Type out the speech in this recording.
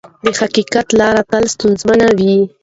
د حقیقت لاره تل ستونزمنه وي.